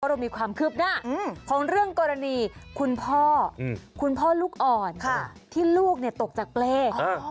เรามีความคืบหน้าของเรื่องกรณีคุณพ่อคุณพ่อลูกอ่อนที่ลูกตกจากเปรย์